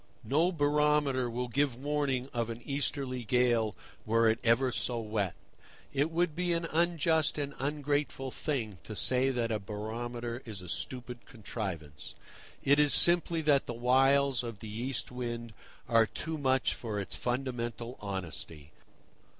No barometer will give warning of an easterly gale, were it ever so wet. It would be an unjust and ungrateful thing to say that a barometer is a stupid contrivance. It is simply that the wiles of the East Wind are too much for its fundamental honesty.